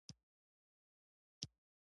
که صداقت وساتې، خلک تل درسره پاتې کېږي.